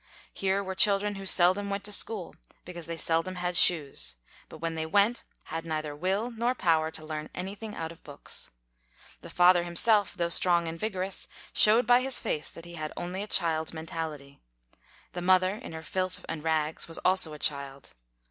Here were children who seldom went to school because they seldom had shoes, but when they went, had neither will nor power to learn anything out of books. The father himself, though strong and vigorous, showed by' his face that he had only a child's mentality. The mother in her filth and rags was also a child.